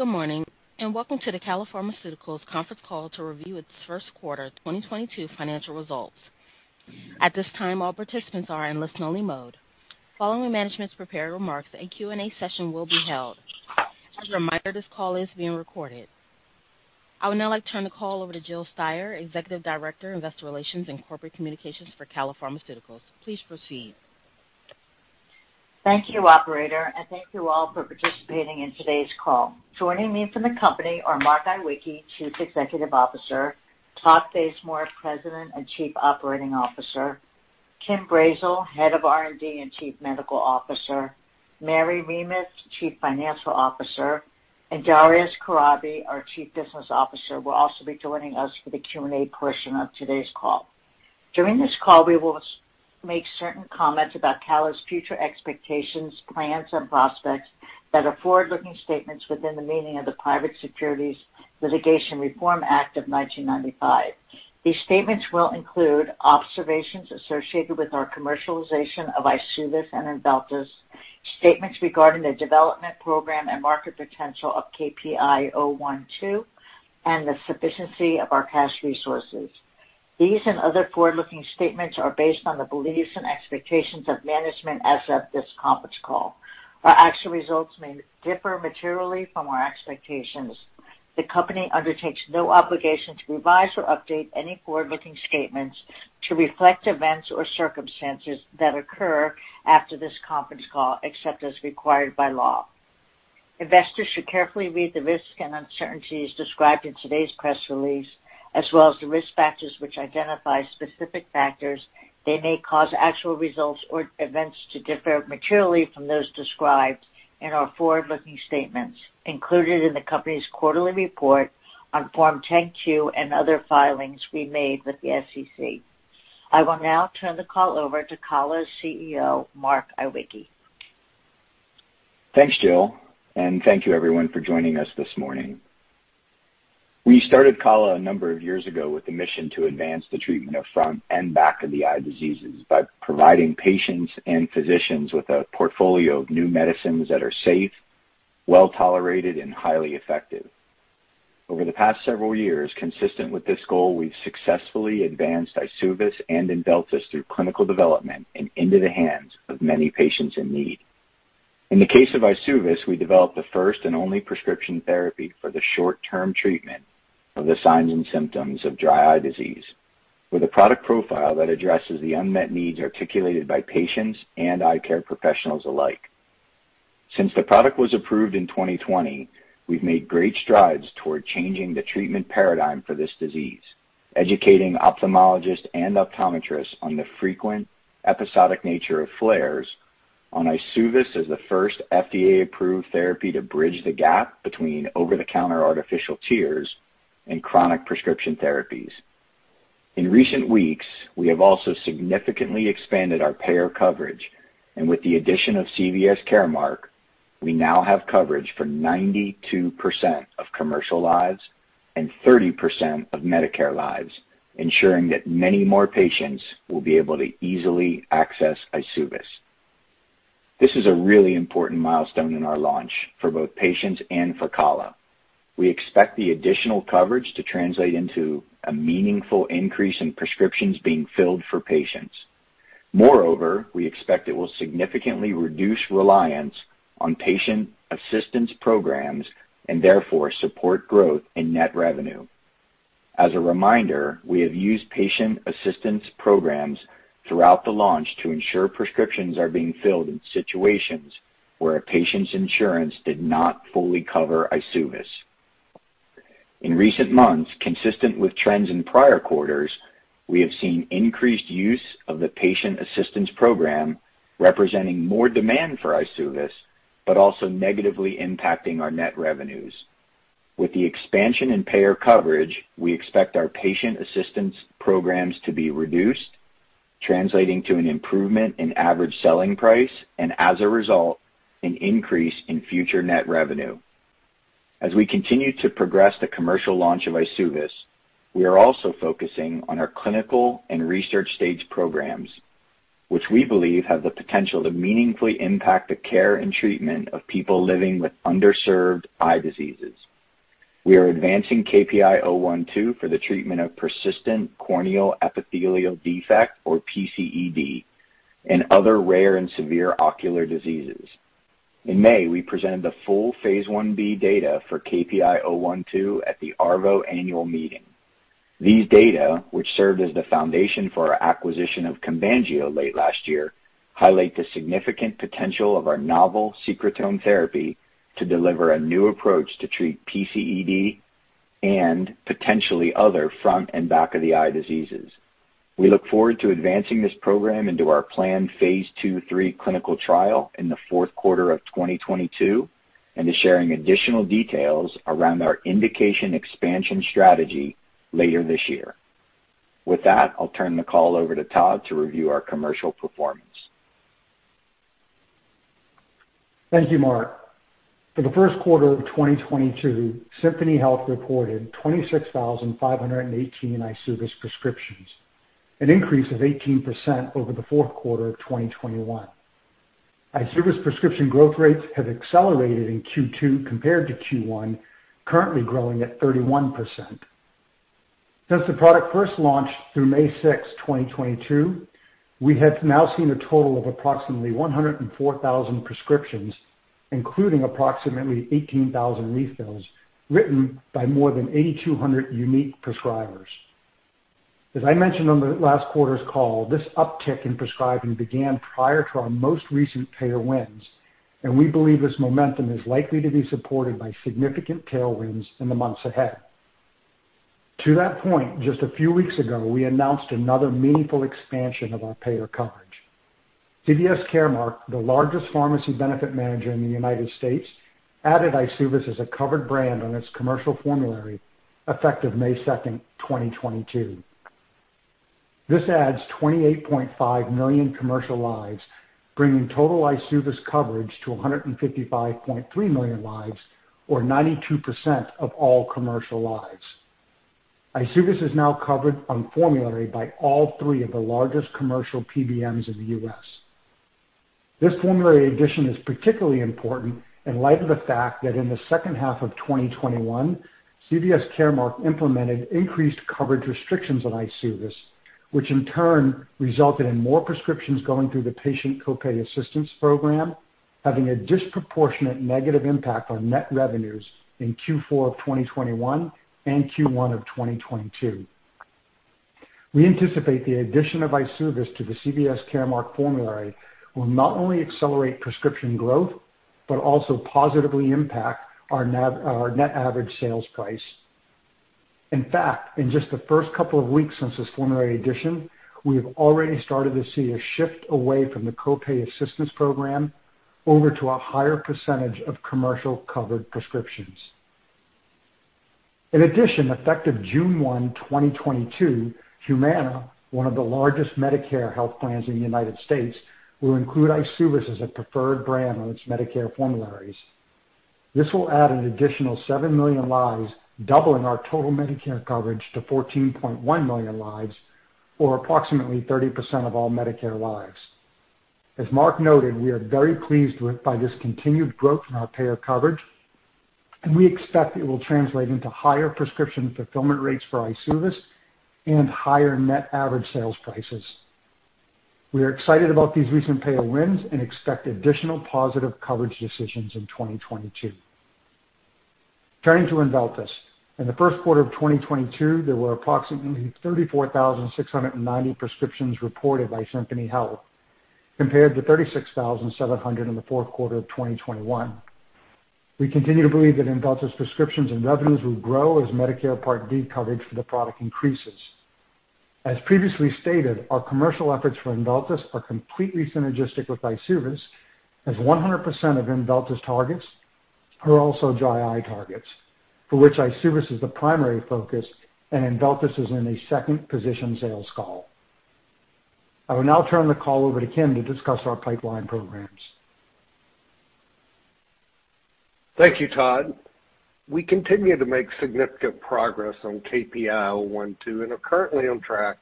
Good morning, and welcome to the Kala Pharmaceuticals conference call to review its First Quarter 2022 Financial Results. At this time, all participants are in listen-only mode. Following management's prepared remarks, a Q&A session will be held. As a reminder, this call is being recorded. I would now like to turn the call over to Jill Steier, Executive Director, Investor Relations and Corporate Communications for Kala Pharmaceuticals. Please proceed. Thank you, operator, and thank you all for participating in today's call. Joining me from the company are Mark Iwicki, Chief Executive Officer, Todd Bazemore, President and Chief Operating Officer, Kim Brazzell, Head of R&D and Chief Medical Officer, Mary Reumuth, Chief Financial Officer, and Darius Kharabi, our Chief Business Officer, will also be joining us for the Q&A portion of today's call. During this call, we will make certain comments about Kala's future expectations, plans and prospects that are forward-looking statements within the meaning of the Private Securities Litigation Reform Act of 1995. These statements will include observations associated with our commercialization of EYSUVIS and INVELTYS, statements regarding the development program and market potential of KPI-012, and the sufficiency of our cash resources. These and other forward-looking statements are based on the beliefs and expectations of management as of this conference call. Our actual results may differ materially from our expectations. The company undertakes no obligation to revise or update any forward-looking statements to reflect events or circumstances that occur after this conference call, except as required by law. Investors should carefully read the risks and uncertainties described in today's press release, as well as the risk factors which identify specific factors that may cause actual results or events to differ materially from those described in our forward-looking statements included in the company's quarterly report on Form 10-Q and other filings we made with the SEC. I will now turn the call over to Kala's CEO, Mark Iwicki. Thanks, Jill, and thank you everyone for joining us this morning. We started Kala a number of years ago with the mission to advance the treatment of front and back-of-the-eye diseases by providing patients and physicians with a portfolio of new medicines that are safe, well-tolerated and highly effective. Over the past several years, consistent with this goal, we've successfully advanced EYSUVIS and INVELTYS through clinical development and into the hands of many patients in need. In the case of EYSUVIS, we developed the first and only prescription therapy for the short-term treatment of the signs and symptoms of dry eye disease, with a product profile that addresses the unmet needs articulated by patients and eye care professionals alike. Since the product was approved in 2020, we've made great strides toward changing the treatment paradigm for this disease, educating ophthalmologists and optometrists on the frequent episodic nature of flares on EYSUVIS as the first FDA-approved therapy to bridge the gap between over-the-counter artificial tears and chronic prescription therapies. In recent weeks, we have also significantly expanded our payer coverage, and with the addition of CVS Caremark, we now have coverage for 92% of commercial lives and 30% of Medicare lives, ensuring that many more patients will be able to easily access EYSUVIS. This is a really important milestone in our launch for both patients and for Kala. We expect the additional coverage to translate into a meaningful increase in prescriptions being filled for patients. Moreover, we expect it will significantly reduce reliance on patient assistance programs and therefore support growth in net revenue. As a reminder, we have used patient assistance programs throughout the launch to ensure prescriptions are being filled in situations where a patient's insurance did not fully cover EYSUVIS. In recent months, consistent with trends in prior quarters, we have seen increased use of the patient assistance program, representing more demand for EYSUVIS, but also negatively impacting our net revenues. With the expansion in payer coverage, we expect our patient assistance programs to be reduced, translating to an improvement in average selling price and as a result, an increase in future net revenue. As we continue to progress the commercial launch of EYSUVIS, we are also focusing on our clinical and research stage programs, which we believe have the potential to meaningfully impact the care and treatment of people living with underserved eye diseases. We are advancing KPI-012 for the treatment of persistent corneal epithelial defect, or PCED, and other rare and severe ocular diseases. In May, we presented the full phase I-B data for KPI-012 at the ARVO annual meeting. These data, which served as the foundation for our acquisition of Combangio late last year, highlight the significant potential of our novel secretome therapy to deliver a new approach to treat PCED and potentially other front and back-of-the-eye diseases. We look forward to advancing this program into our planned phase II/III clinical trial in the fourth quarter of 2022, and to sharing additional details around our indication expansion strategy later this year. With that, I'll turn the call over to Todd to review our commercial performance. Thank you, Mark. For the first quarter of 2022, Symphony Health reported 26,518 EYSUVIS prescriptions, an increase of 18% over the fourth quarter of 2021. EYSUVIS prescription growth rates have accelerated in Q2 compared to Q1, currently growing at 31%. Since the product first launched through May 6, 2022, we have now seen a total of approximately 104,000 prescriptions, including approximately 18,000 refills written by more than 8,200 unique prescribers. As I mentioned on the last quarter's call, this uptick in prescribing began prior to our most recent payer wins, and we believe this momentum is likely to be supported by significant tailwinds in the months ahead. To that point, just a few weeks ago, we announced another meaningful expansion of our payer coverage. CVS Caremark, the largest pharmacy benefit manager in the United States, added EYSUVIS as a covered brand on its commercial formulary effective May 2nd, 2022. This adds 28.5 million commercial lives, bringing total EYSUVIS coverage to 155.3 million lives, or 92% of all commercial lives. EYSUVIS is now covered on formulary by all three of the largest commercial PBMs in the U.S. This formulary addition is particularly important in light of the fact that in the second half of 2021, CVS Caremark implemented increased coverage restrictions on EYSUVIS, which in turn resulted in more prescriptions going through the Patient Co-pay Assistance program, having a disproportionate negative impact on net revenues in Q4 of 2021 and Q1 of 2022. We anticipate the addition of EYSUVIS to the CVS Caremark formulary will not only accelerate prescription growth, but also positively impact our net average sales price. In fact, in just the first couple of weeks since this formulary addition, we have already started to see a shift away from the co-pay assistance program over to a higher percentage of commercial covered prescriptions. In addition, effective June 1, 2022, Humana, one of the largest Medicare health plans in the United States, will include EYSUVIS as a preferred brand on its Medicare formularies. This will add an additional 7 million lives, doubling our total Medicare coverage to 14.1 million lives, or approximately 30% of all Medicare lives. As Mark noted, we are very pleased by this continued growth in our payer coverage, and we expect it will translate into higher prescription fulfillment rates for EYSUVIS and higher net average sales prices. We are excited about these recent payer wins and expect additional positive coverage decisions in 2022. Turning to INVELTYS. In the first quarter of 2022, there were approximately 34,690 prescriptions reported by Symphony Health, compared to 36,700 in the fourth quarter of 2021. We continue to believe that INVELTYS prescriptions and revenues will grow as Medicare Part D coverage for the product increases. As previously stated, our commercial efforts for INVELTYS are completely synergistic with EYSUVIS, as 100% of INVELTYS targets are also dry eye targets for which EYSUVIS is the primary focus and INVELTYS is in a second position sales call. I will now turn the call over to Kim Brazzell to discuss our pipeline programs. Thank you, Todd. We continue to make significant progress on KPI-012 and are currently on track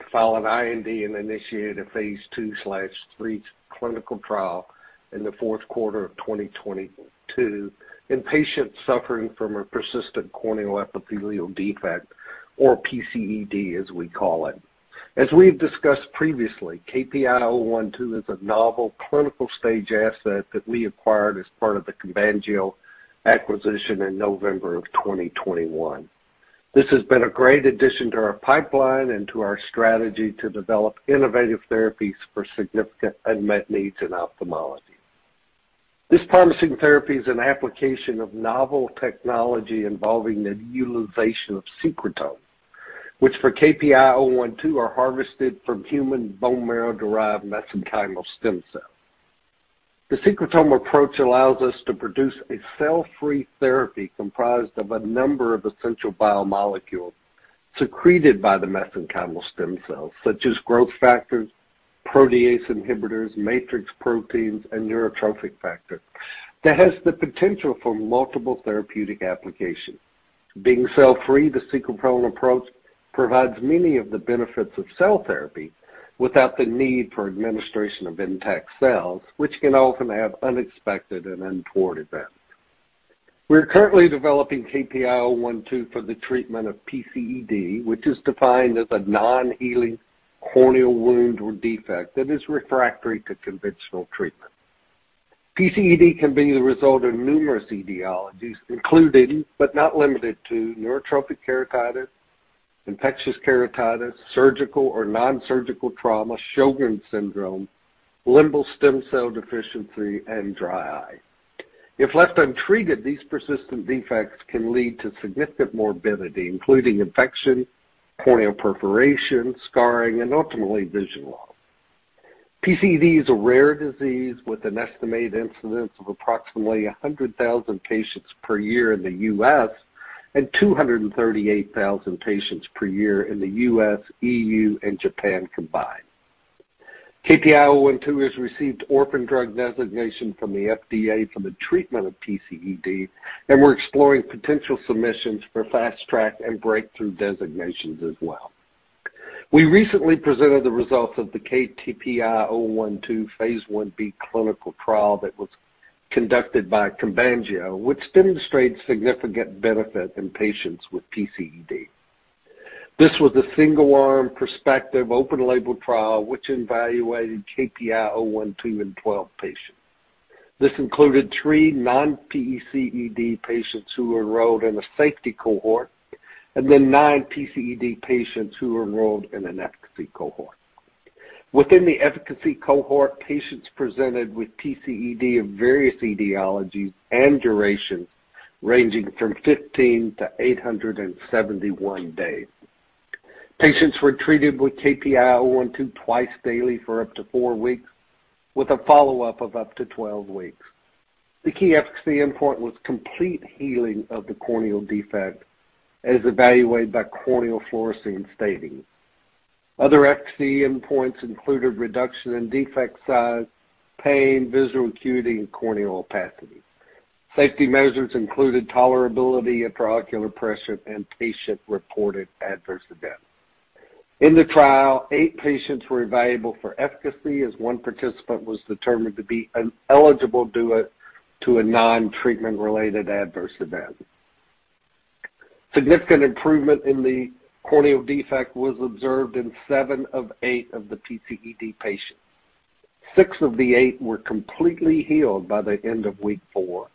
to file an IND and initiate a phase II/III clinical trial in the fourth quarter of 2022 in patients suffering from a persistent corneal epithelial defect or PCED, as we call it. As we have discussed previously, KPI-012 is a novel clinical stage asset that we acquired as part of the Combangio acquisition in November of 2021. This has been a great addition to our pipeline and to our strategy to develop innovative therapies for significant unmet needs in ophthalmology. This promising therapy is an application of novel technology involving the utilization of secretome, which for KPI-012 are harvested from human bone marrow derived mesenchymal stem cells. The secretome approach allows us to produce a cell-free therapy comprised of a number of essential biomolecules secreted by the mesenchymal stem cells, such as growth factors, protease inhibitors, matrix proteins, and neurotrophic factors that has the potential for multiple therapeutic applications. Being cell-free, the secretome approach provides many of the benefits of cell therapy without the need for administration of intact cells, which can often have unexpected and untoward events. We are currently developing KPI-012 for the treatment of PCED, which is defined as a non-healing corneal wound or defect that is refractory to conventional treatment. PCED can be the result of numerous etiologies, including but not limited to neurotrophic keratitis, infectious keratitis, surgical or non-surgical trauma, Sjögren's syndrome, limbal stem cell deficiency, and dry eye. If left untreated, these persistent defects can lead to significant morbidity, including infection, corneal perforation, scarring, and ultimately vision loss. PCED is a rare disease with an estimated incidence of approximately 100,000 patients per year in the U.S. and 238,000 patients per year in the U.S., EU, and Japan combined. KPI-012 has received orphan drug designation from the FDA for the treatment of PCED, and we're exploring potential submissions for fast track and breakthrough designations as well. We recently presented the results of the KPI-012 phase I-B clinical trial that was conducted by Combangio, which demonstrated significant benefit in patients with PCED. This was a single-arm prospective open label trial which evaluated KPI-012 in 12 patients. This included three non-PCED patients who enrolled in a safety cohort, and then nine PCED patients who enrolled in an efficacy cohort. Within the efficacy cohort, patients presented with PCED of various etiologies and durations ranging from 15-871 days. Patients were treated with KPI-012 twice daily for up to four weeks with a follow-up of up to 12 weeks. The key efficacy endpoint was complete healing of the corneal defect as evaluated by corneal fluorescein staining. Other efficacy endpoints included reduction in defect size, pain, visual acuity, and corneal opacity. Safety measures included tolerability, intraocular pressure, and patient-reported adverse events. In the trial, eight patients were evaluable for efficacy as one participant was determined to be ineligible due to a non-treatment related adverse event. Significant improvement in the corneal defect was observed in seven of eight of the PCED patients. Six of the eight were completely healed by the end of week four,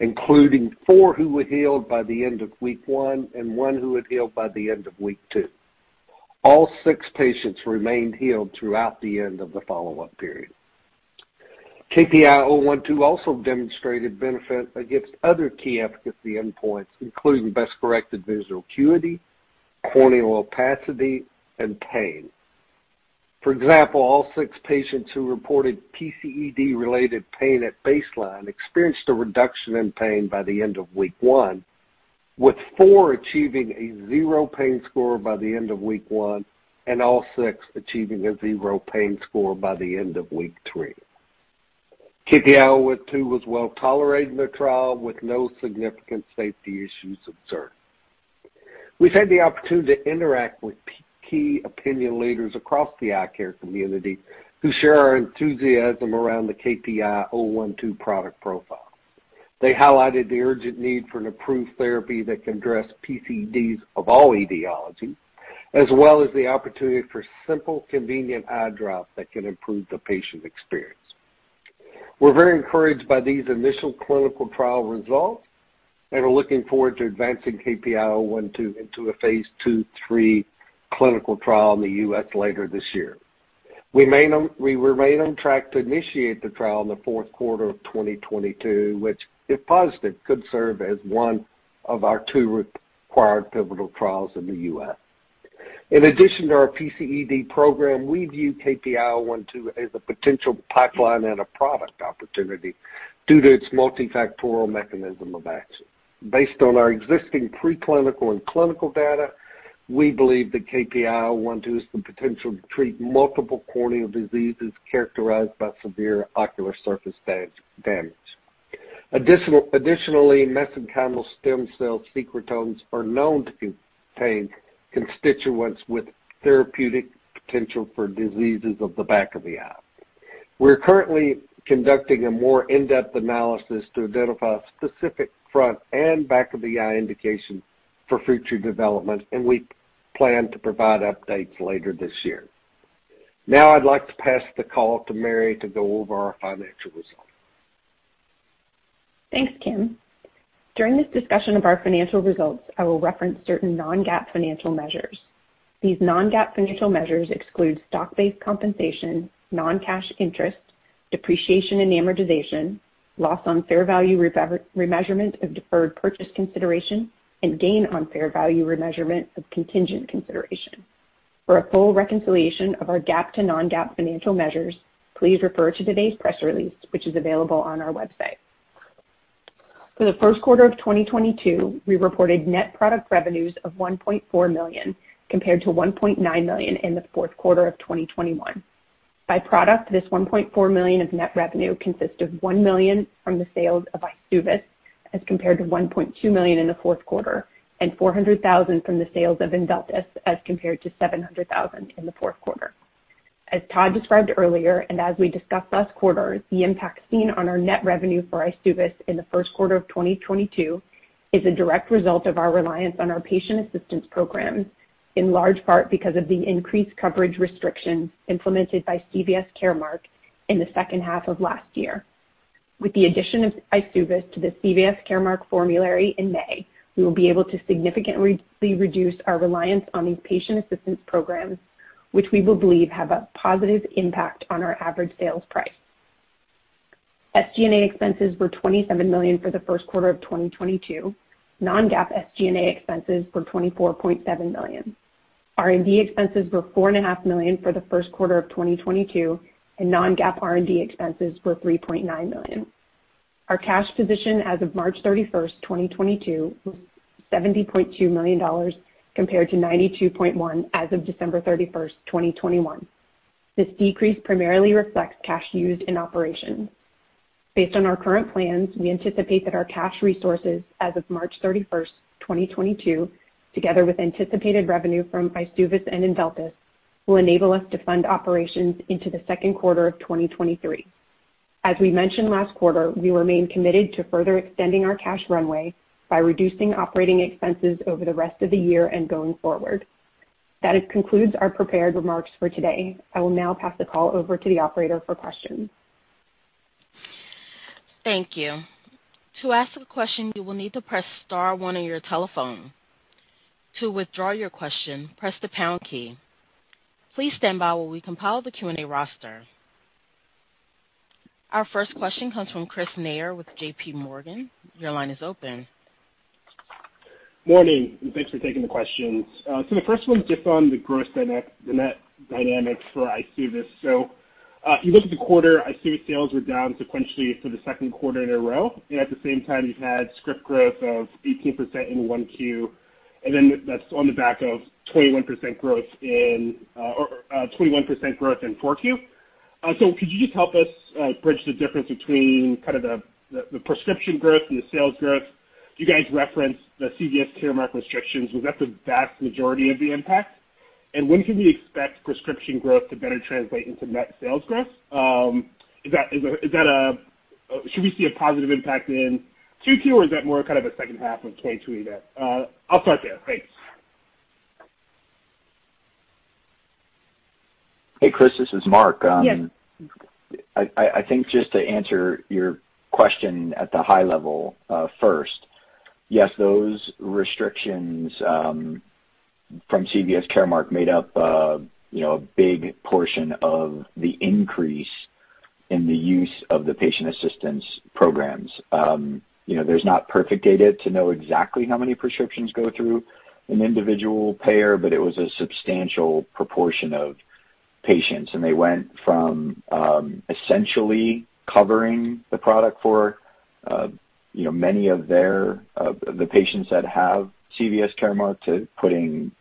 including four who were healed by the end of week one and one who had healed by the end of week two. All six patients remained healed throughout the end of the follow-up period. KPI-012 also demonstrated benefit against other key efficacy endpoints, including best-corrected visual acuity, corneal opacity, and pain. For example, all six patients who reported PCED-related pain at baseline experienced a reduction in pain by the end of week one, with four achieving a zero pain score by the end of week one, and all six achieving a zero pain score by the end of week three. KPI-012 was well tolerated in the trial with no significant safety issues observed. We've had the opportunity to interact with key opinion leaders across the eye care community who share our enthusiasm around the KPI-012 product profile. They highlighted the urgent need for an approved therapy that can address PCEDs of all etiologies, as well as the opportunity for simple, convenient eye drops that can improve the patient experience. We're very encouraged by these initial clinical trial results, and we're looking forward to advancing KPI-012 into a phase II, III clinical trial in the U.S. later this year. We remain on track to initiate the trial in the fourth quarter of 2022, which if positive, could serve as one of our two required pivotal trials in the U.S. In addition to our PCED program, we view KPI-012 as a potential pipeline and a product opportunity due to its multifactorial mechanism of action. Based on our existing preclinical and clinical data, we believe that KPI-012 has the potential to treat multiple corneal diseases characterized by severe ocular surface damage. Additionally, mesenchymal stem cell secretomes are known to contain constituents with therapeutic potential for diseases of the back-of-the-eye. We're currently conducting a more in-depth analysis to identify specific front and back-of-the-eye indication for future development, and we plan to provide updates later this year. Now I'd like to pass the call to Mary Reumuth to go over our financial results. Thanks, Kim. During this discussion of our financial results, I will reference certain non-GAAP financial measures. These non-GAAP financial measures exclude stock-based compensation, non-cash interest, depreciation and amortization, loss on fair value remeasurement of deferred purchase consideration, and gain on fair value remeasurement of contingent consideration. For a full reconciliation of our GAAP to non-GAAP financial measures, please refer to today's press release, which is available on our website. For the first quarter of 2022, we reported net product revenues of $1.4 million, compared to $1.9 million in the fourth quarter of 2021. By product, this $1.4 million of net revenue consists of $1 million from the sales of EYSUVIS, as compared to $1.2 million in the fourth quarter, and $400,000 from the sales of INVELTYS, as compared to $700,000 in the fourth quarter. As Todd described earlier, and as we discussed last quarter, the impact seen on our net revenue for EYSUVIS in the first quarter of 2022 is a direct result of our reliance on our patient assistance program, in large part because of the increased coverage restrictions implemented by CVS Caremark in the second half of last year. With the addition of EYSUVIS to the CVS Caremark formulary in May, we will be able to significantly reduce our reliance on these patient assistance programs, which we believe have a positive impact on our average sales price. SG&A expenses were $27 million for the first quarter of 2022. Non-GAAP SG&A expenses were $24.7 million. R&D expenses were $4.5 million for the first quarter of 2022, and non-GAAP R&D expenses were $3.9 million. Our cash position as of March 31st 2022 was $70.2 million compared to $92.1 million as of December 31st 2021. This decrease primarily reflects cash used in operations. Based on our current plans, we anticipate that our cash resources as of March 31st 2022, together with anticipated revenue from EYSUVIS and INVELTYS, will enable us to fund operations into the second quarter of 2023. We mentioned last quarter, we remain committed to further extending our cash runway by reducing operating expenses over the rest of the year and going forward. That concludes our prepared remarks for today. I will now pass the call over to the operator for questions. Thank you. To ask a question, you will need to press star one on your telephone. To withdraw your question, press the pound key. Please stand by while we compile the Q&A roster. Our first question comes from Chris Neyor with JPMorgan. Your line is open. Morning, thanks for taking the questions. The first one's just on the gross-to-net dynamics for EYSUVIS. If you look at the quarter, EYSUVIS sales were down sequentially for the second quarter in a row. At the same time, you've had script growth of 18% in 1Q. Then that's on the back of 21% growth in 4Q. Could you just help us bridge the difference between the prescription growth and the sales growth? Do you guys reference the CVS Caremark restrictions? Was that the vast majority of the impact? And when can we expect prescription growth to better translate into net sales growth? Should we see a positive impact in 2Q, or is that more kind of a second half of 2022? I'll start there. Thanks. Hey, Chris, this is Mark. Yes. I think just to answer your question at the high level, first, yes, those restrictions from CVS Caremark made up, you know, a big portion of the increase in the use of the patient assistance programs. You know, there's not perfect data to know exactly how many prescriptions go through an individual payer, but it was a substantial proportion of patients. They went from essentially covering the product for, you know, many of their the patients that have CVS Caremark to putting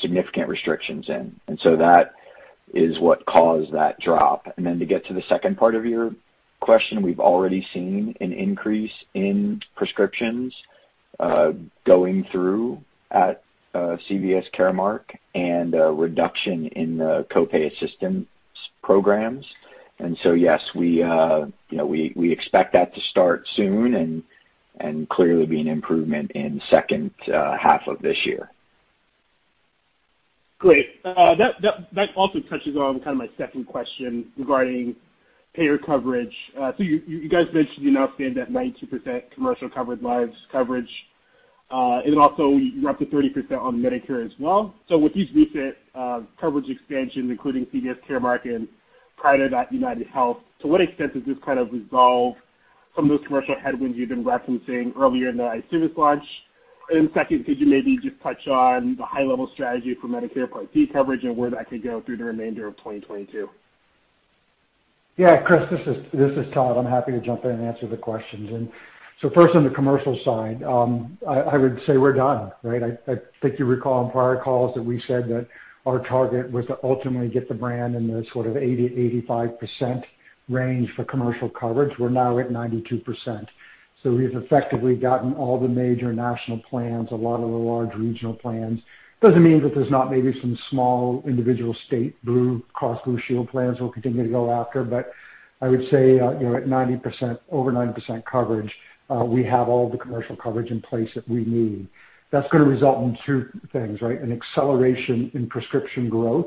significant restrictions in. That is what caused that drop. To get to the second part of your question, we've already seen an increase in prescriptions going through at CVS Caremark and a reduction in the co-pay assistance programs. Yes, you know, we expect that to start soon and clearly be an improvement in second half of this year. Great. That also touches on kind of my second question regarding payer coverage. You guys mentioned the announcement that 90% commercial covered lives coverage, and then also you're up to 30% on Medicare as well. With these recent coverage expansions, including CVS Caremark and prior to that, UnitedHealth, to what extent does this kind of resolve some of those commercial headwinds you've been referencing earlier in the EYSUVIS launch? Second, could you maybe just touch on the high-level strategy for Medicare Part D coverage and where that could go through the remainder of 2022? Yeah, Chris, this is Todd. I'm happy to jump in and answer the questions. First on the commercial side, I would say we're done, right? I think you recall in prior calls that we said that our target was to ultimately get the brand in the sort of 80%-85% range for commercial coverage. We're now at 92%. So we've effectively gotten all the major national plans, a lot of the large regional plans. It doesn't mean that there's not maybe some small individual state Blue Cross Blue Shield plans we'll continue to go after. But I would say, you know, at 90%, over 90% coverage, we have all the commercial coverage in place that we need. That's gonna result in two things, right? An acceleration in prescription growth,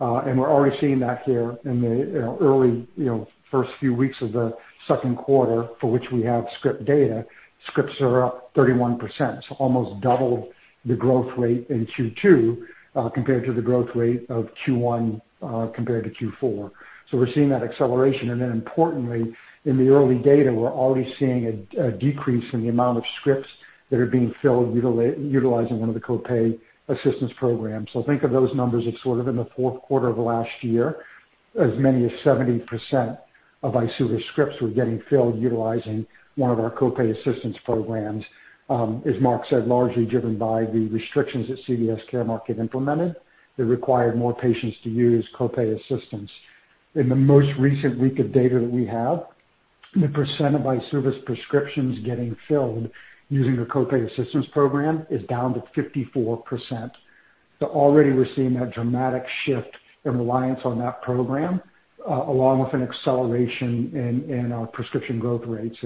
and we're already seeing that here in the, you know, early, you know, first few weeks of the second quarter for which we have script data. Scripts are up 31%, so almost double the growth rate in Q2, compared to the growth rate of Q1, compared to Q4. We're seeing that acceleration. Importantly, in the early data, we're already seeing a decrease in the amount of scripts that are being filled utilizing one of the co-pay assistance programs. Think of those numbers as sort of in the fourth quarter of last year, as many as 70% of EYSUVIS scripts were getting filled utilizing one of our co-pay assistance programs. As Mark said, largely driven by the restrictions that CVS Caremark had implemented that required more patients to use co-pay assistance. In the most recent week of data that we have, the percent of EYSUVIS prescriptions getting filled using the co-pay assistance program is down to 54%. Already we're seeing a dramatic shift in reliance on that program, along with an acceleration in our prescription growth rates.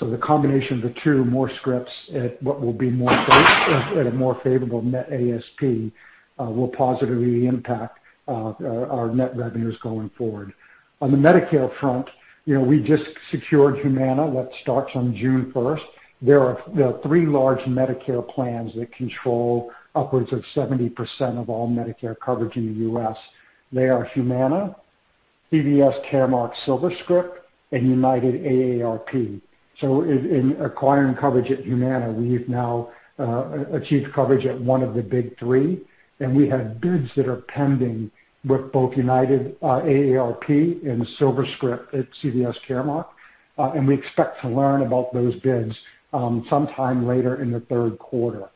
The combination of the two more scripts at what will be at a more favorable net ASP will positively impact our net revenues going forward. On the Medicare front, you know, we just secured Humana, which starts on June 1st. There are three large Medicare plans that control upwards of 70% of all Medicare coverage in the U.S. They are Humana, CVS Caremark SilverScript, and United AARP. In acquiring coverage at Humana, we've now achieved coverage at one of the big three, and we have bids that are pending with both United AARP and SilverScript at CVS Caremark. We expect to learn about those bids sometime later in the third quarter.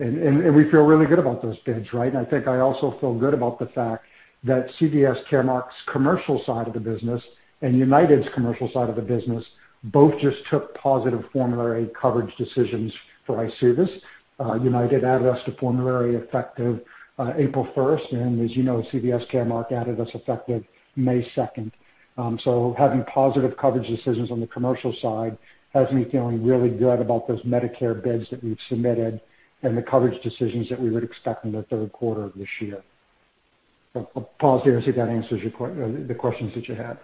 We feel really good about those bids, right? I think I also feel good about the fact that CVS Caremark's commercial side of the business and UnitedHealthcare's commercial side of the business both just took positive formulary coverage decisions for EYSUVIS. UnitedHealthcare added us to formulary effective April 1st, and as you know, CVS Caremark added us effective May 2nd. Having positive coverage decisions on the commercial side has me feeling really good about those Medicare bids that we've submitted and the coverage decisions that we would expect in the third quarter of this year. I'll pause there and see if that answers your the questions that you had.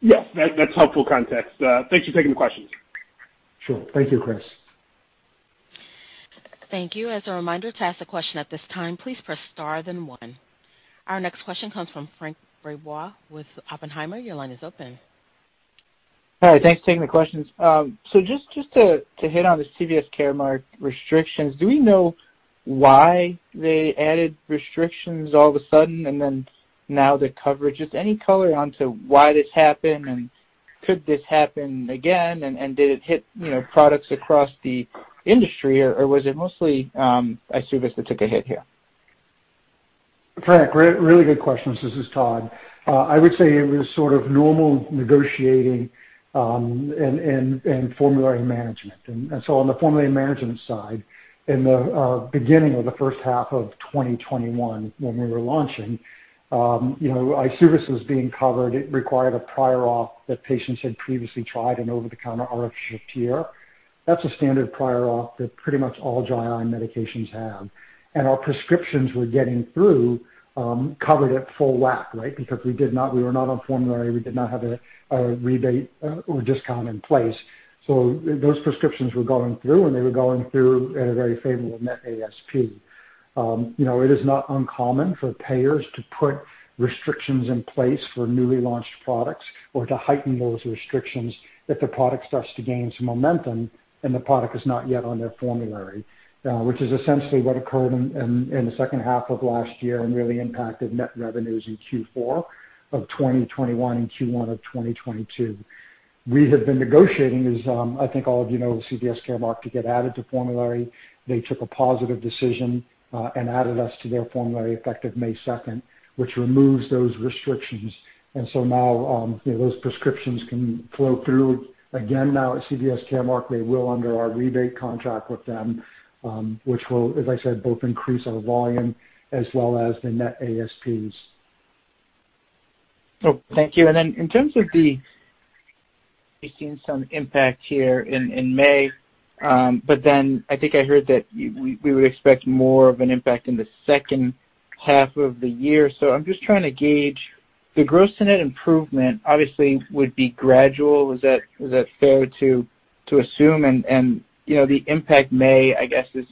Yes. That's helpful context. Thanks for taking the questions. Sure. Thank you, Chris. Thank you. As a reminder, to ask a question at this time, please press star then one. Our next question comes from Franç Brisebois with Oppenheimer. Your line is open. Hi. Thanks for taking the questions. Just to hit on the CVS Caremark restrictions, do we know why they added restrictions all of a sudden and then now the coverage? Just any color on why this happened, and could this happen again, and did it hit, you know, products across the industry, or was it mostly EYSUVIS that took a hit here? Franç, really good questions. This is Todd. I would say it was sort of normal negotiating, and formulary management. On the formulary management side, in the beginning of the first half of 2021 when we were launching, you know, EYSUVIS was being covered. It required a prior authorization that patients had previously tried an over-the-counter artificial tear. That's a standard prior authorization that pretty much all eye medications have. Our prescriptions were getting through, covered at full whack, right? Because we were not on formulary. We did not have a rebate or discount in place. Those prescriptions were going through, and they were going through at a very favorable net ASP. You know, it is not uncommon for payers to put restrictions in place for newly launched products or to heighten those restrictions if the product starts to gain some momentum and the product is not yet on their formulary, which is essentially what occurred in the second half of last year and really impacted net revenues in Q4 of 2021 and Q1 of 2022. We have been negotiating, as I think all of you know, with CVS Caremark to get added to formulary. They took a positive decision and added us to their formulary effective May 2nd, which removes those restrictions. Those prescriptions can flow through again now at CVS Caremark. They will under our rebate contract with them, which will, as I said, both increase our volume as well as the net ASPs. Thank you. Then in terms of the, we've seen some impact here in May, but I think I heard that we would expect more of an impact in the second half of the year. I'm just trying to gauge the gross to net improvement obviously would be gradual. Is that fair to assume? You know, the impact may I guess is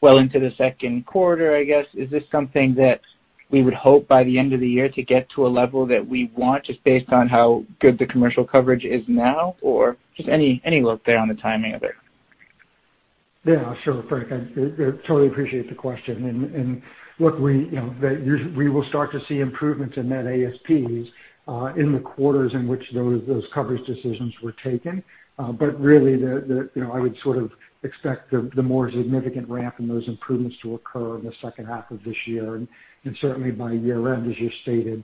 well into the second quarter I guess. Is this something that we would hope by the end of the year to get to a level that we want just based on how good the commercial coverage is now? Or just any look there on the timing of it. Yeah, sure, Franç. I totally appreciate the question. Look, we, you know, we will start to see improvements in net ASPs in the quarters in which those coverage decisions were taken. Really, you know, I would sort of expect the more significant ramp in those improvements to occur in the second half of this year. Certainly by year-end, as you stated,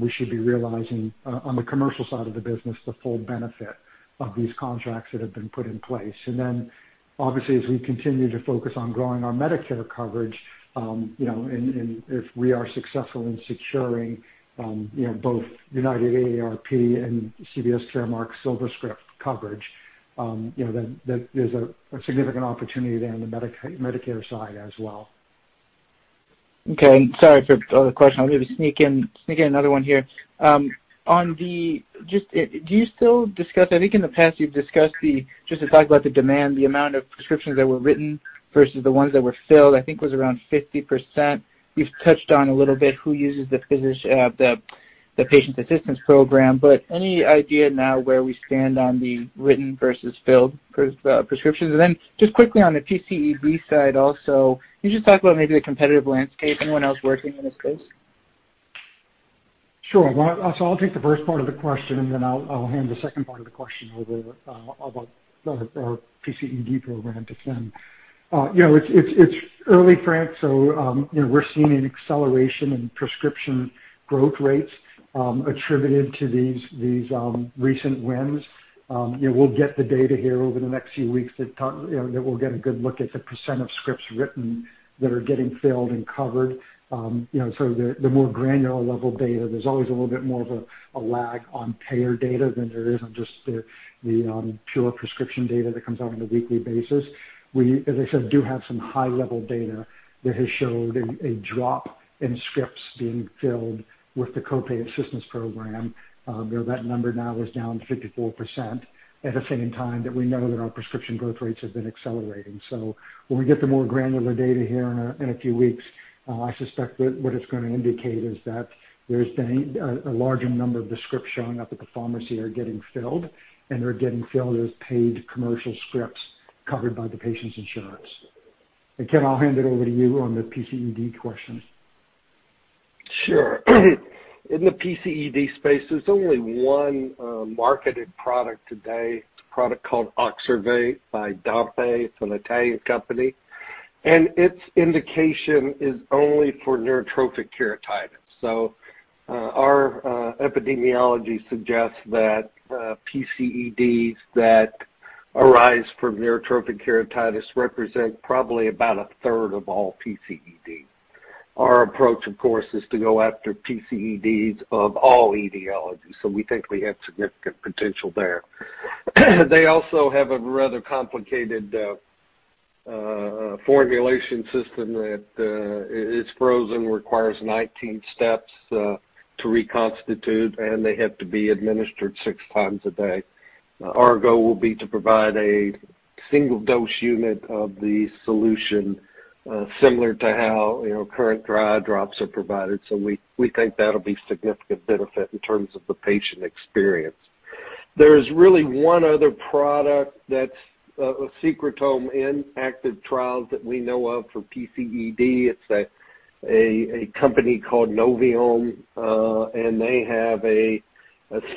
we should be realizing on the commercial side of the business the full benefit of these contracts that have been put in place. Obviously as we continue to focus on growing our Medicare coverage, you know, and if we are successful in securing, you know, both United AARP and CVS Caremark SilverScript coverage, you know, then there's a significant opportunity there on the Medicare side as well. Okay. Sorry for the other question. I'll maybe sneak in another one here. Do you still discuss? I think in the past you've discussed just to talk about the demand, the amount of prescriptions that were written versus the ones that were filled, I think was around 50%. You've touched on a little bit who uses the patient assistance program, but any idea now where we stand on the written versus filled prescriptions? Then just quickly on the PCED side also, can you just talk about maybe the competitive landscape, anyone else working in this space? Sure. Well, I'll take the first part of the question, and then I'll hand the second part of the question over about our PCED program to Kim. You know, it's early, Franç, so you know, we're seeing an acceleration in prescription growth rates attributed to these recent wins. You know, we'll get the data here over the next few weeks that we'll get a good look at the percent of scripts written that are getting filled and covered. You know, the more granular level data, there's always a little bit more of a lag on payer data than there is on just the pure prescription data that comes out on a weekly basis. We, as I said, do have some high-level data that has showed a drop in scripts being filled with the co-pay assistance program, where that number now is down 54% at the same time that we know that our prescription growth rates have been accelerating. When we get the more granular data here in a few weeks, I suspect that what it's gonna indicate is that there's been a larger number of the scripts showing up at the pharmacy are getting filled, and they're getting filled as paid commercial scripts covered by the patient's insurance. Kim, I'll hand it over to you on the PCED question. Sure. In the PCED space, there's only one marketed product today. It's a product called OXERVATE by Dompé. It's an Italian company. Its indication is only for neurotrophic keratitis. Our epidemiology suggests that PCEDs that arise from neurotrophic keratitis represent probably about a third of all PCED. Our approach, of course, is to go after PCEDs of all etiologies. We think we have significant potential there. They also have a rather complicated formulation system that it's frozen, requires 19 steps to reconstitute, and they have to be administered six times a day. Our goal will be to provide a single dose unit of the solution, similar to how, you know, current dry eye drops are provided. We think that'll be significant benefit in terms of the patient experience. There's really one other product that's a secretome in active trials that we know of for PCED. It's a company called Noveome. They have a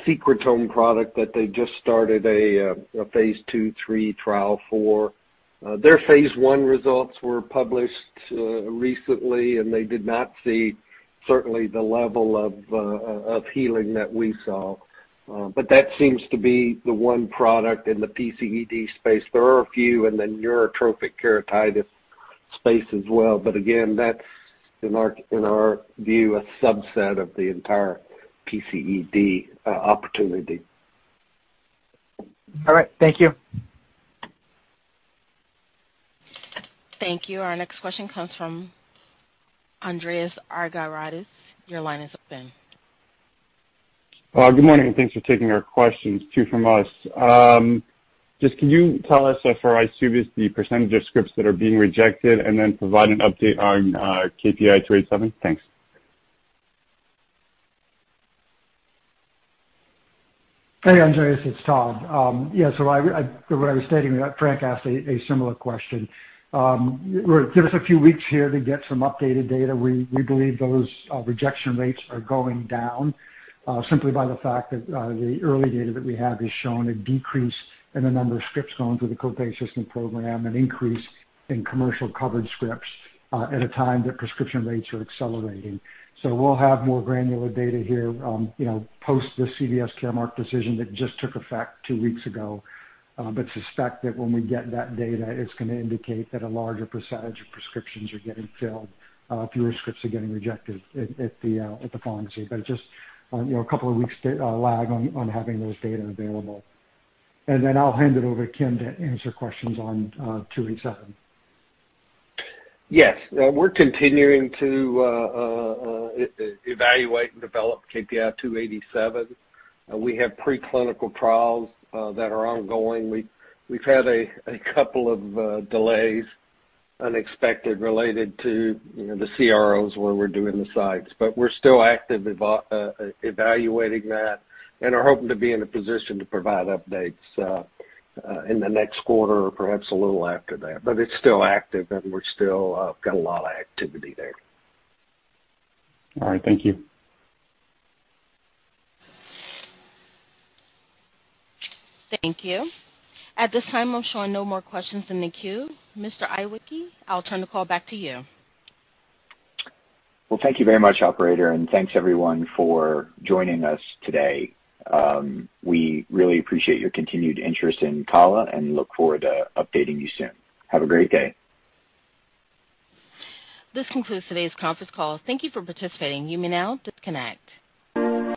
secretome product that they just started a phase II/III trial for. Their phase I results were published recently, and they did not see certainly the level of healing that we saw. That seems to be the one product in the PCED space. There are a few in the neurotrophic keratitis space as well, but again, that's in our view a subset of the entire PCED opportunity. All right. Thank you. Thank you. Our next question comes from Andreas Argyrides. Your line is open. Good morning, and thanks for taking our questions. Two from us. Just can you tell us for EYSUVIS the percentage of scripts that are being rejected and then provide an update on KPI-287? Thanks. Hey, Andreas, it's Todd. What I was stating, Franç asked a similar question. Give us a few weeks here to get some updated data. We believe those rejection rates are going down simply by the fact that the early data that we have is showing a decrease in the number of scripts going through the co-pay assistance program and increase in commercial covered scripts at a time that prescription rates are accelerating. We'll have more granular data here, you know, post the CVS Caremark decision that just took effect two weeks ago. Suspect that when we get that data, it's gonna indicate that a larger percentage of prescriptions are getting filled, fewer scripts are getting rejected at the pharmacy. Just, you know, a couple of weeks lag on having those data available. Then I'll hand it over to Kim to answer questions on 287. Yes. We're continuing to evaluate and develop KPI-287. We have preclinical trials that are ongoing. We've had a couple of delays unexpected related to, you know, the CROs where we're doing the sites. We're still evaluating that and are hoping to be in a position to provide updates in the next quarter or perhaps a little after that. It's still active, and we're still got a lot of activity there. All right. Thank you. Thank you. At this time, I'm showing no more questions in the queue. Mr. Iwicki, I'll turn the call back to you. Well, thank you very much, operator, and thanks everyone for joining us today. We really appreciate your continued interest in Kala and look forward to updating you soon. Have a great day. This concludes today's conference call. Thank you for participating. You may now disconnect.